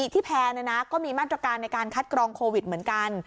ที่แพร่ก็มีมาตรการในการคัดกรองโควิดเหมือนกัน